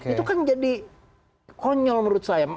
itu kan jadi konyol menurut saya